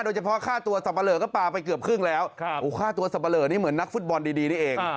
โดยเฉพาะค่าตัวสับปะเลอก็ปลาไปเกือบครึ่งแล้วค่าตัวสับปะเลอนี่เหมือนนักฟุตบอลดีนี่เอง